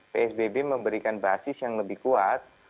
psbb memberikan basis yang lebih kuat